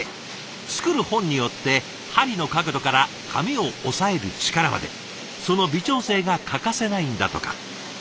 作る本によって針の角度から紙を押さえる力までその微調整が欠かせないんだとか。